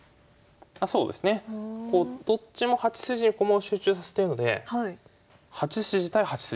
あそうですね。どっちも８筋に駒を集中させてるので８筋対８筋。